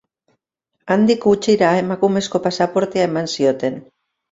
Handik gutxira, emakumezko pasaportea eman zioten.